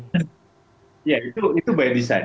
ya itu itu by design